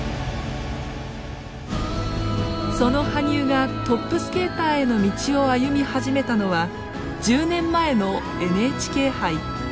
その羽生がトップスケーターへの道を歩み始めたのは１０年前のＮＨＫ杯。